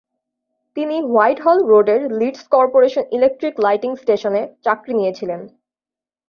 তিনি হোয়াইটহল রোডের Leeds corporation electric lighting স্টেশনে চাকরি নিয়েছিলেন।